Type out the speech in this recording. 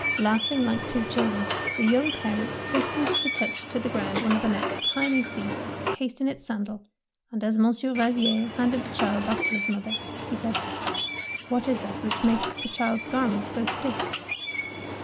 Laughing like two children, the young parents hastened to touch to the ground one of Annette^s tiny feet cased in its sandal, and as Monsieur Valvier handed the child back to its mother, he said, — What is that which makes the child's garments so stiff?